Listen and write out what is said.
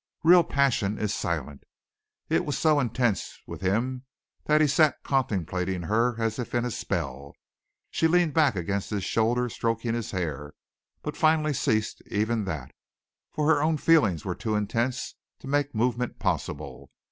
Real passion is silent. It was so intense with him that he sat contemplating her as if in a spell. She leaned back against his shoulder stroking his hair, but finally ceased even that, for her own feeling was too intense to make movement possible.